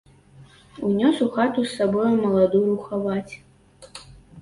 Унёс у хату з сабой маладую рухавасць.